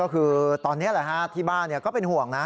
คือตอนนี้ที่บ้านก็เป็นห่วงนะ